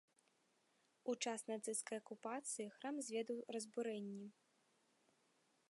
У час нацысцкай акупацыі храм зведаў разбурэнні.